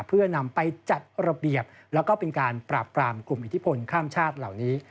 เพื่อนำไปจัดระเบียบแล้วก็เป็นการปราบปรามกลุ่มอิทธิพลข้ามชาติเหล่านี้